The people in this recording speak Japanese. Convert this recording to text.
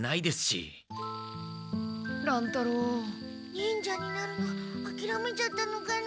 忍者になるのあきらめちゃったのかな。